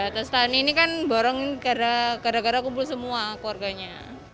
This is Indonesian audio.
terus tani ini kan borong gara gara kumpul semua keluarganya